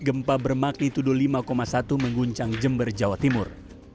gempa bermakni tudul lima satu mengguncang jember jawa timur